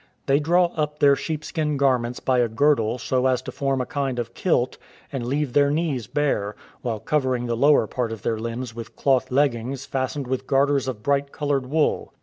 They draw up their sheepskin garments by a girdle so as to form a kind of kilt, and leave their knees bare, while covering the lower part of their limbs with cloth leggings fastened with garters of bright coloured wool.